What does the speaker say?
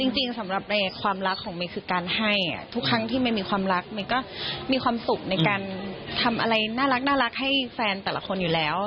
จริงสำหรับความรักของเมย์คือการให้ทุกครั้งที่เมย์มีความรักเมย์ก็มีความสุขในการทำอะไรน่ารักให้แฟนแต่ละคนอยู่แล้ว